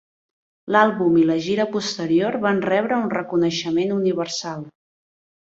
L'àlbum i la gira posterior van rebre un reconeixement universal.